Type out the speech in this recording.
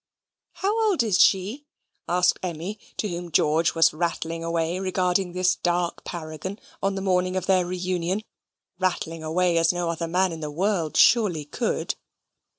"How old is she?" asked Emmy, to whom George was rattling away regarding this dark paragon, on the morning of their reunion rattling away as no other man in the world surely could.